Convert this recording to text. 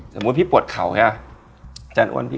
สมมุติพี่ปวดเข่าใช่ป่ะ